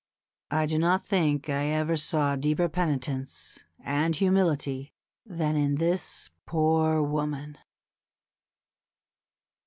I do not think I ever saw deeper penitence and humility than in this poor woman."